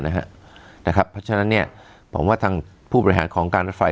เพราะฉะนั้นผมว่าทางผู้บริหารของการรถไฟ